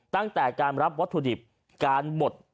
ตั้งแต่การรับวัตถุดิบการบด